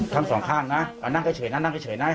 ทำสองข้างนะนั่งเฉยนะอย่าขยับนะ